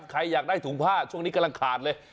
ใครอยากได้ถุงผ้าช่วงนี้กำลังขาดเลย